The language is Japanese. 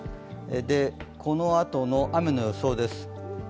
このあとの雨の予想です。